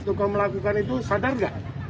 waktu kau melakukan itu sadar nggak